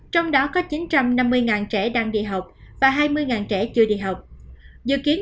trong đó có chín trăm năm mươi trẻ đang đi học và hai mươi trẻ chưa đi học